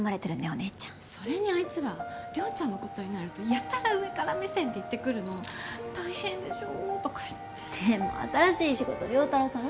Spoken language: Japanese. お姉ちゃんそれにあいつら亮ちゃんのことになるとやたら上から目線で言ってくるの大変でしょとか言ってでも新しい仕事亮太郎さん